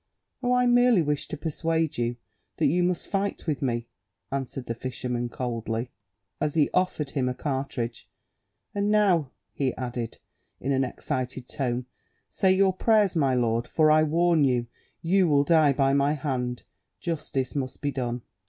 "Oh, I merely wish to persuade you that you must fight with me," answered the fisherman coldly, as he offered him a cartridge. "And now," he added, in an excited tone, "say your prayers, my lord; for I warn you, you will die by my hand; justice must be done."